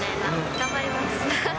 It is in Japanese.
頑張ります。